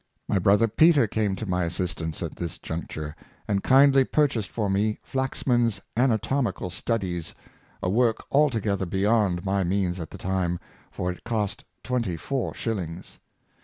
My brother Peter came to my as sistance at this juncture, and kindly purchased for me Flaxman's ^ Anatomical Studies '— a work altogether beyond my means at the time, for it cost twenty four shillings.